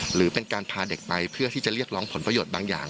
หรือเป็นการพาเด็กไปเพื่อที่จะเรียกร้องผลประโยชน์บางอย่าง